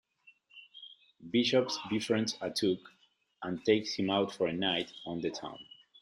Bishop befriends Atuk, and takes him out for a night on the town.